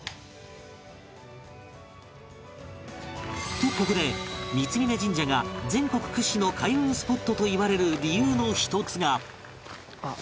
とここで三峯神社が全国屈指の開運スポットといわれる理由の１つが